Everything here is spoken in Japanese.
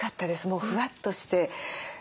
もうふわっとして。